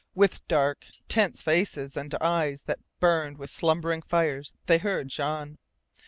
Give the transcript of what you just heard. With dark, tense faces and eyes that burned with slumbering fires they heard Jean.